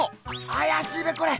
あやしいべこれ！